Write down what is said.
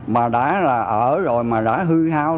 mà đã là ở rồi mà đã hư hao